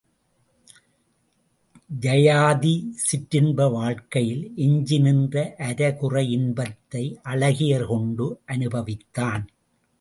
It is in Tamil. யயாதி சிற்றின்ப வாழ்க்கையில் எஞ்சி நின்ற அரைகுறை இன்பத்தை அழகியர் கொண்டு அனுபவித்தான்.